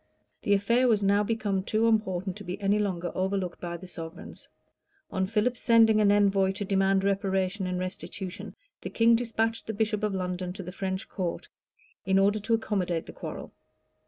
The affair was now become too important to be any longer overlooked by the sovereigns. On Philip's sending an envoy to demand reparation and restitution, the king despatched the bishop of London to the French court, in order to accommodate the quarrel.